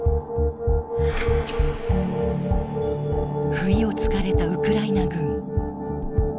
不意をつかれたウクライナ軍。